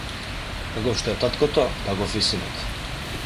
Каков што е таткото, таков е и синот.